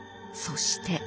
そして。